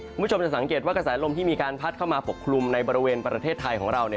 คุณผู้ชมจะสังเกตว่ากระแสลมที่มีการพัดเข้ามาปกคลุมในบริเวณประเทศไทยของเรา